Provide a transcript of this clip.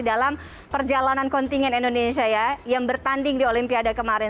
dalam perjalanan kontingen indonesia ya yang bertanding di olimpiade kemarin